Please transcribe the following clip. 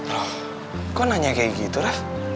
loh kok nanya kayak gitu ref